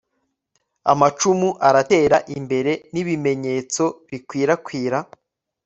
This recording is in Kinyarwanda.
Amacumu aratera imbere nibimenyetso bikwirakwira